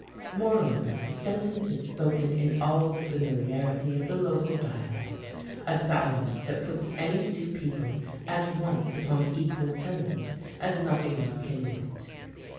Moreover, the sentence is spoken in all the familiarity of the local dialect a dialect that puts any two people at once upon equal terms as nothing else can do it.